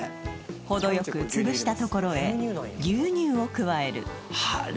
程良く潰したところへ牛乳を加えるあれ？